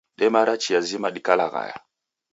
Demara chia zima dikalaghaya